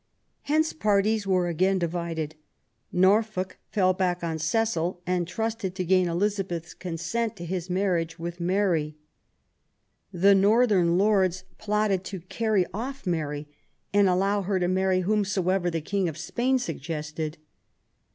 Hence parties were again divided. Norfolk fell back on Cecil and trusted to gain Elizabeth's consent to his marriage with Mary. The northern Lords plotted to carry off Mary and allow her to marry whomsoever the King of Spain suggested.